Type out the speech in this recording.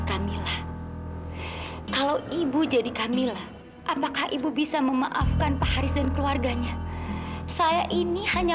kamilah kalau ibu jadi kamila apakah ibu bisa memaafkan pak haris dan keluarganya saya ini hanya